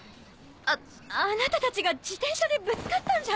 ああなたたちが自転車でぶつかったんじゃ。